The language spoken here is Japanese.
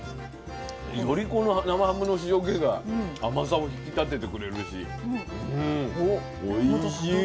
よりこの生ハムの塩気が甘さを引き立ててくれるしうんおいしい。